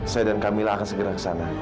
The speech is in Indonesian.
saya dan camilla akan segera ke sana